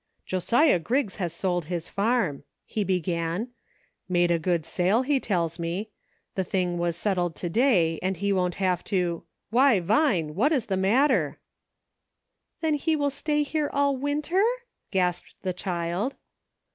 "I WILL. 99 "Josiah Griggs has sold his farm," he began; " made a good sale, he tells me. The thing was settled to day, and he won't have to — Why, Vine ! What's the matter.?" "Then he will stay here all winter!" gasped the child.